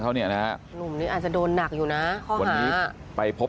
เขาเนี่ยนะหนุ่มนี้อาจจะโดนหนักอยู่นะวันนี้ไปพบ